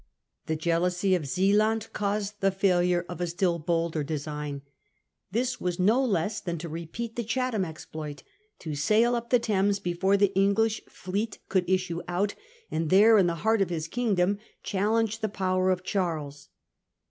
T^e jealousy of Zealand caused the failure of a still bolder design. This was no less than to repeat the Chatham exploit ; to sail up the Thames before the English fleet could issue out, and there, in the heart of his kingdom, challenge the power of Charles.